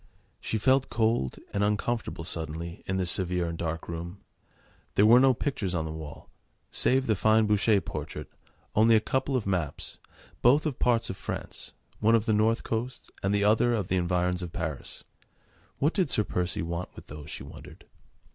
She felt cold and uncomfortable suddenly in this severe and dark room. There were no pictures on the wall, save the fine Boucher portrait, only a couple of maps, both of parts of France, one of the North coast and the other of the environs of Paris. What did Sir Percy want with those, she wondered.